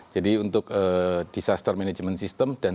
jadi untuk disaster management system dan